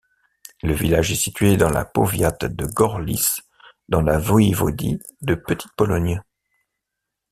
Le village est situé dans la powiat de Gorlice dans la voïvodie de Petite-Pologne.